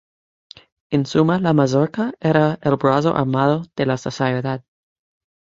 En suma, la Mazorca era el brazo armado de la Sociedad.